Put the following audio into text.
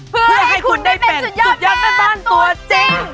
เพื่อให้คุณได้เป็นสุดยอดแม่บ้านตัวจริง